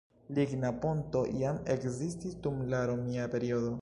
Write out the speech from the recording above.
Ligna ponto jam ekzistis dum la romia periodo.